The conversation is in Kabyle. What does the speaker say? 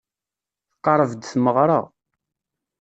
Tqerreb-d tmeɣra.